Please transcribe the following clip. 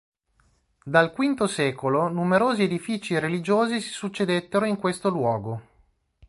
Dal V secolo, numerosi edifici religiosi si succedettero in questo luogo.